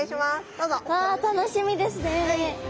うわ楽しみですね。